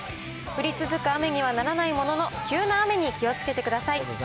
降り続く雨にはならないものの、急な雨に気をつけてください。